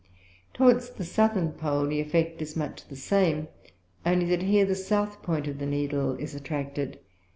Towards the Southern Pole the effect is much the same, only that here the South Point of the Needle is attracted.